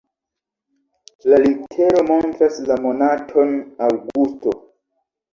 La litero montras la monaton aŭgusto.